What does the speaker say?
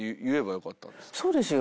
そうですよ。